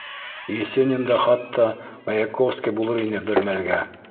Есенин дә хатта Маяковский булыр ине бер мәлгә...